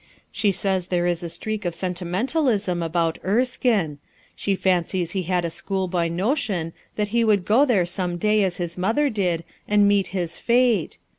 She says there is a streak of sentimentalism about Erskine; she fancies he had a schoolboy notion that he would go there some day as his mother did, and meet his fate.